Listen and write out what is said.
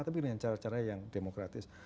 tapi dengan cara cara yang demokratis